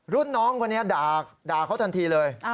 รุ่นน้องคนนี้ด่าเขาทันทีเลย